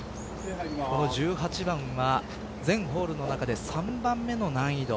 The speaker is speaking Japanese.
この１８番は全ホールの中で３番目の難易度